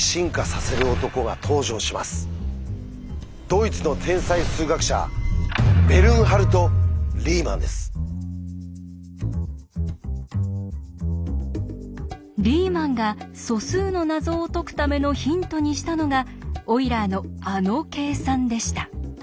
ドイツの天才数学者リーマンが素数の謎を解くためのヒントにしたのがオイラーのあの計算でした。